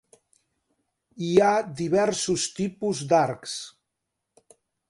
Hi ha diversos tipus d'arcs.